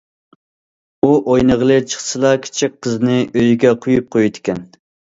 ئۇ ئوينىغىلى چىقسىلا كىچىك قىزىنى ئۆيگە قويۇپ قويىدىكەن.